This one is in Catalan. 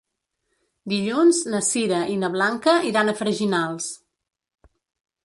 Dilluns na Sira i na Blanca iran a Freginals.